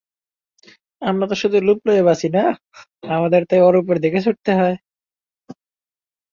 আমরা তো শুধু রূপ লইয়া বাঁচি না, আমাদের তাই অরূপের দিকে ছুটিতে হয়।